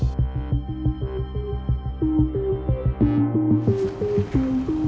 kau gemoy kesini